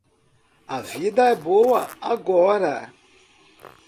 A vida é boa agora.